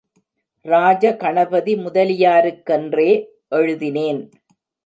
ராஜகணபதி முதலியாருக்கென்றே எழுதினேன்.